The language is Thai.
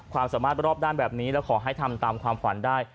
ความสามารถรอบด้านแบบนี้และขอให้ทำตามความฝันได้